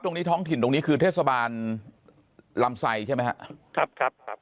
ท้องถิ่นตรงนี้คือเทศบาลลำไซใช่ไหมฮะครับครับ